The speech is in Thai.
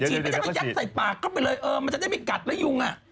ไม่ใช่มันยักษ์ใส่ปากเข้าไปเลยมันจะได้ไม่กัดเลยยุ่ง